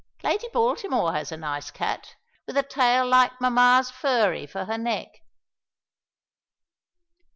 Lady Baltimore has a nice cat, with a tail like mamma's furry for her neck."